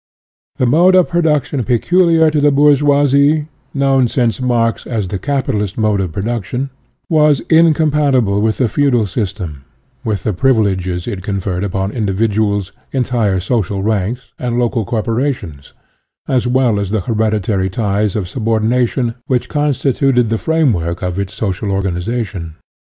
The mode of production pecul iar to the bourgeoisie, known, since Marx, as the capitalist mode of production, was incompatible with the feudal system, with the privileges it conferred upon individuals, entire social ranks and local corporations, 96 SOCIALISM as well as with the hereditary ties of sub ordination which constituted the framework of its social organization.